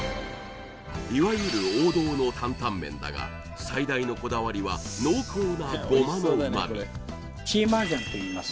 いわゆる王道の担々麺だが最大のこだわりは濃厚なごまの旨味芝麻醤っていいます